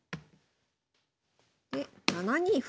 で７二歩。